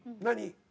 何？